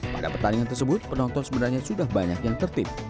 pada pertandingan tersebut penonton sebenarnya sudah banyak yang tertib